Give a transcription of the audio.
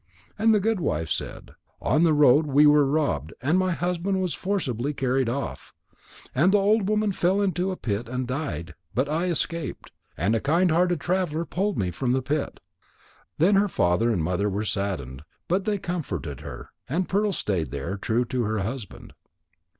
And that good wife said: "On the road we were robbed, and my husband was forcibly carried off. And the old woman fell into a pit and died, but I escaped. And a kind hearted traveller pulled me from the pit." Then her father and mother were saddened, but they comforted her, and Pearl stayed there, true to her husband.